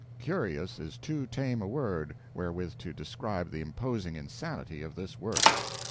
"Curious" is too tame a word wherewith to describe the imposing insanity of this work.